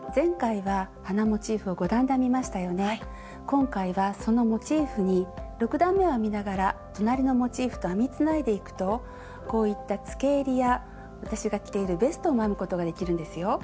今回はそのモチーフに６段めを編みながら隣のモチーフと編みつないでいくとこういったつけえりや私が着ているベストも編むことができるんですよ。